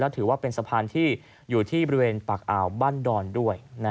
ถือว่าเป็นสะพานที่อยู่ที่บริเวณปากอ่าวบ้านดอนด้วย